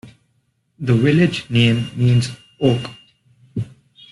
The village name means "oak".